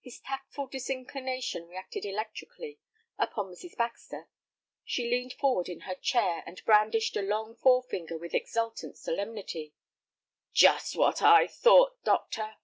His tactful disinclination reacted electrically upon Mrs. Baxter. She leaned forward in her chair, and brandished a long forefinger with exultant solemnity. "Just what I thought, doctor."